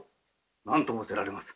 何と仰せられます。